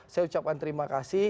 saya ucapkan terima kasih